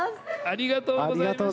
ありがとうございます。